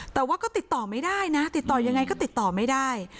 แต่ว่าก็ติดต่อไม่ได้นะติดต่อยังไงก็ติดต่อไม่ได้